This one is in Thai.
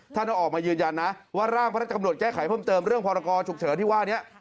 ต้องออกมายืนยันนะว่าร่างพระราชกำหนดแก้ไขเพิ่มเติมเรื่องพรกรฉุกเฉินที่ว่านี้